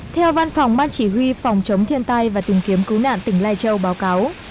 theo văn phòng ban chỉ huy phòng chống thiên tai và tìm kiếm cứu nạn tỉnh lai châu báo cáo